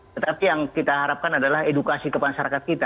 tetapi yang kita harapkan adalah edukasi ke masyarakat kita